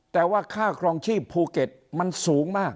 แต่ว่าค่าครองชีพภูเก็ตมันสูงมาก